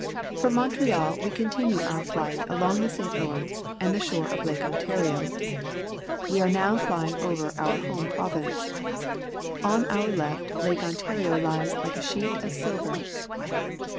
From Montreal we continue our flight along the St. Lawrence and the shore of Lake Ontario. We are now flying over our home province. On our left Lake Ontario lies like a sheet of silver.